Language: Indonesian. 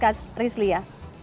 selamat malam rizla